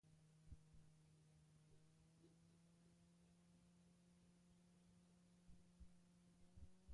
Gainerako herriek bi urte izango dituzte araua herri bakoitzeko legedian sartzeko.